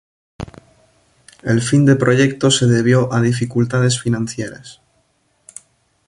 El fin de proyecto se debió a dificultades financieras.